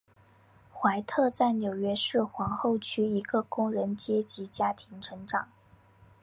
怀特在纽约市皇后区一个工人阶级家庭成长。